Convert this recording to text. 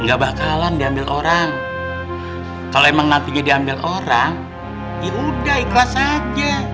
nggak bakalan diambil orang kalau emang nantinya diambil orang yaudah ikhlas aja